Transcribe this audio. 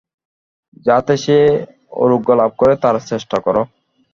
যাতে সে আরোগ্যলাভ করে, তার চেষ্টা কর।